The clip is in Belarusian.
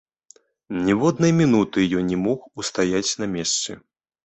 Ніводнай мінуты ён не мог устаяць на месцы.